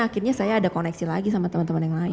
akhirnya saya ada koneksi lagi sama teman teman yang lain